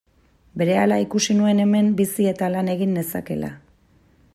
Berehala ikusi nuen hemen bizi eta lan egin nezakeela.